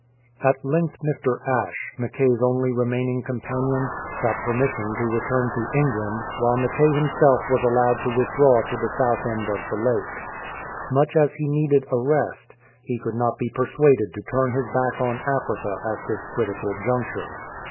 At length Mr. Ashe, Mackay's only remaining com panion, got permission to return to England, while Mackay himself was allowed to withdraw to the south end of the lake. Much as he needed a rest, he could not be persuaded to turn his back on Africa at this critical juncture.